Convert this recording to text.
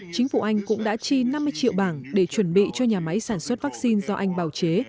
chính phủ anh cũng đã chi năm mươi triệu bảng để chuẩn bị cho nhà máy sản xuất vaccine do anh bào chế